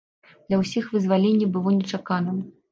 Для ўсіх вызваленне было нечаканым.